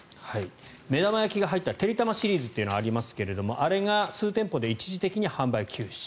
目玉焼きが入ったてりたまシリーズというのがありますがあれが数店舗で一時的に販売休止。